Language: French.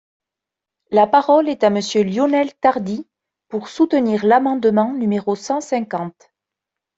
La parole est à Monsieur Lionel Tardy, pour soutenir l’amendement numéro cent cinquante.